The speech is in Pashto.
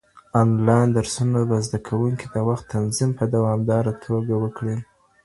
انلاين درسونه به زده کوونکي د وخت تنظيم په دوامداره توګه وکړي.